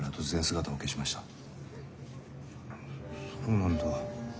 そうなんだ。